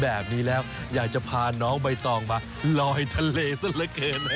แบบนี้แล้วอยากจะพาน้องใบตองมาลอยทะเลซะละเกิน